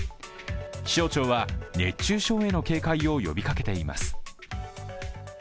気象庁は熱中症への警戒を呼びかけています。